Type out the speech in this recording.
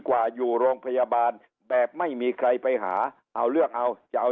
กว่าอยู่โรงพยาบาลแบบไม่มีใครไปหาเอาเลือกเอาจะเอา